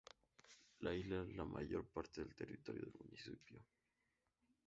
La isla es la mayor parte del territorio del municipio.